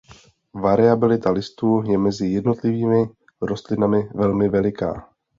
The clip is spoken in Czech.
Variabilita listů je mezi jednotlivými rostlinami velmi veliká.